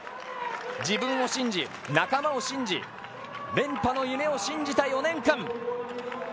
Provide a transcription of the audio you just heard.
自分を信じ、仲間を信じ連覇の夢を信じた４年間。